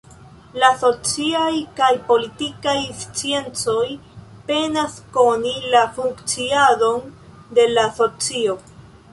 La sociaj kaj politikaj sciencoj penas koni la funkciadon de la socio.